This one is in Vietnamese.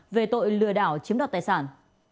về tội lừa đảo chiếm đoạt tài sản